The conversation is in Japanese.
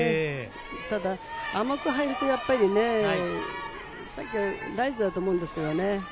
ただ甘く入るとやっぱりね、ライトだと思うんですけどね。